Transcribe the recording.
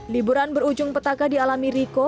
liburan berujung petaka di alami riko